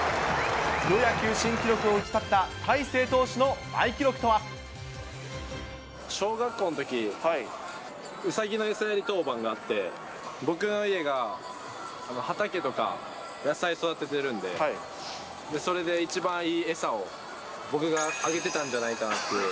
プロ野球新記録を打ち立てた、小学校のとき、うさぎの餌やり当番があって、僕の家が畑とか野菜を育ててるんで、それで、一番いい餌を僕があげてたんじゃないかなっていう。